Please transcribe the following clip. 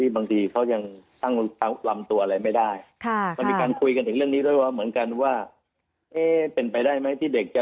บางทีเด็กมันจะอาจจะคอหักหรืออาจจะ